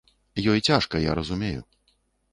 Ёй цяжка, я разумею.